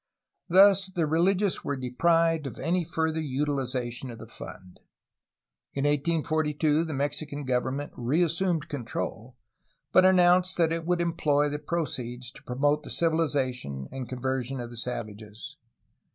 Thus the religious were deprived of any further utilization of the fund. In 1842 the Mexican government reassumed control, but announced that it would employ the proceeds to promote the civilization and conversion of the savages.